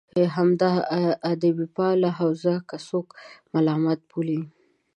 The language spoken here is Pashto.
همدا ادبپاله حوزه که څوک ملامت بولي.